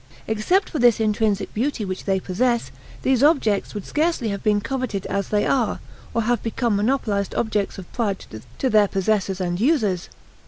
Except for this intrinsic beauty which they possess, these objects would scarcely have been coveted as they are, or have become monopolized objects of pride to their possessors and users.